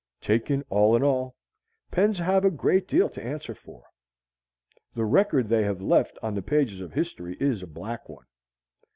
Taken all in all, pens have a great deal to answer for. The record they have left on the pages of history is a black one.